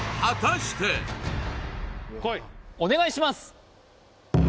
お願いします